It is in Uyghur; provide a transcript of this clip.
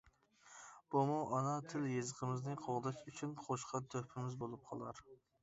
بۇمۇ ئانا تىل-يېزىقىمىزنى قوغداش ئۈچۈن قوشقان تۆھپىمىز بولۇپ قالار.